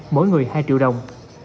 mỗi người hai triệu đồng